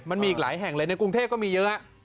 มันมีอีกหลายแห่งเลยในกรุงเทพก็มีเยอะ